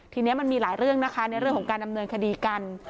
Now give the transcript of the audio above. ทีนี้มันมีหลายเรื่องนะคะในเรื่องของการดำเนินคดีกัน